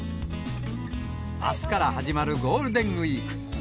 あすから始まるゴールデンウィーク。